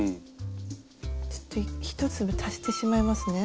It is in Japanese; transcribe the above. ちょっと１粒足してしまいますね。